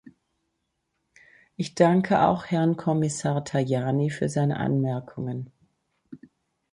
Ich danke auch Herrn Kommissar Tajani für seine Anmerkungen.